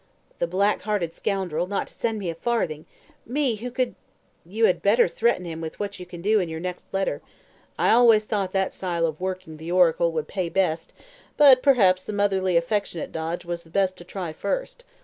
The black hearted scoundrel, not to send me a farthing me who could " "You had better threaten him with what you can do in your next letter. I always thought that style of working the oracle would pay best; but perhaps the motherly affectionate dodge was the best to try first.